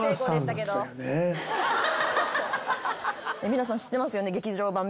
皆さん知ってますよね？